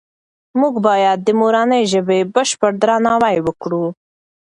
موږ باید د مورنۍ ژبې بشپړ درناوی وکړو.